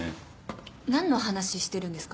何の話してるんですか。